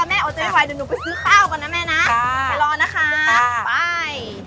เดี๋ยวหนูไปซื้อข้าวก่อนนะแม่นะไปรอนะคะไป